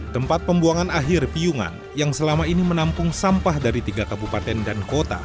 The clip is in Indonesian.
tempat pembuangan akhir piungan yang selama ini menampung sampah dari tiga kabupaten dan kota